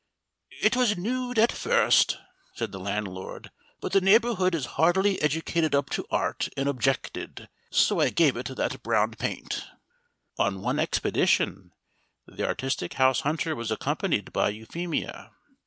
"It was nood at first," said the landlord, "but the neighbourhood is hardly educated up to art, and objected. So I gave it that brown paint." On one expedition the artistic house hunter was accompanied by Euphemia.